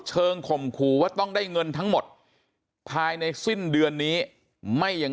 ข่มขู่ว่าต้องได้เงินทั้งหมดภายในสิ้นเดือนนี้ไม่ยัง